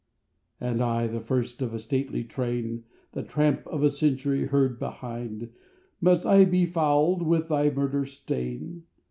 " And I, the first of a stately train, The tramp of a century heard behind, Must I be fouled with thy murder stain?